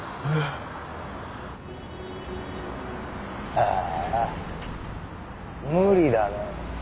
ああ無理だな。